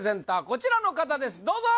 こちらの方ですどうぞ！